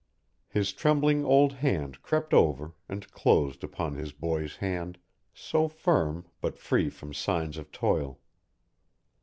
His trembling old hand crept over and closed upon his boy's hand, so firm but free from signs of toil.